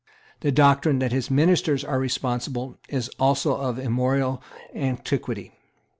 The doctrine that his ministers are responsible is also of immemorial antiquity.